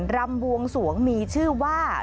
รำบวงสวงมีชื่อว่า